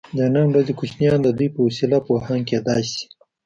د نن ورځې کوچنیان د دوی په وسیله پوهان کیدای شي.